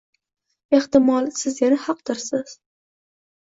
Ehtimol, siz yana haqdirsiz.